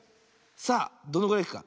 さあどのぐらいいくか。